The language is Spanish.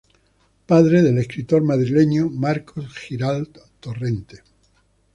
Padre del escritor madrileño Marcos Giralt Torrente.